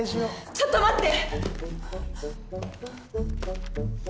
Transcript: ちょっと待って！